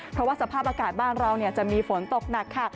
เพราะว่าสภาพอากาศบ้านเราจะมีฝนตกหนักค่ะ